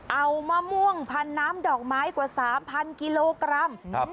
เอามะม่วงพันน้ำดอกไม้กว่า๓๐๐กิโลกรัม